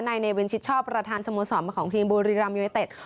นายเนเวนชิดชอบประธานสมสอบของทีมบูริรัมย์ยอยเต็ด